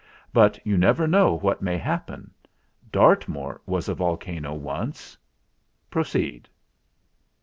But you never know what may happen. Dartmoor was a volcano once. Proceed."